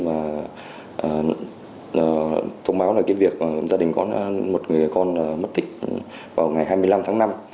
và thông báo là cái việc gia đình có một người con mất tích vào ngày hai mươi năm tháng năm